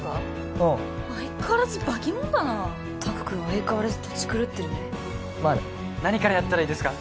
うん相変わらず化けモンだな拓くん相変わらずトチ狂ってるねまあね何からやったらいいですか？